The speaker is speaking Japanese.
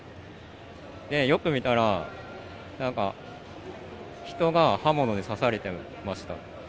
よく見たら、なんか人が刃物で刺されてました。